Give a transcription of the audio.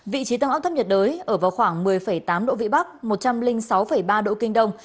vị trí tâm áp thấp nhiệt đới ở vào khoảng một mươi tám độ vĩ bắc một trăm linh sáu ba độ kinh đông